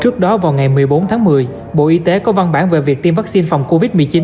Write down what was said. trước đó vào ngày một mươi bốn tháng một mươi bộ y tế có văn bản về việc tiêm vaccine phòng covid một mươi chín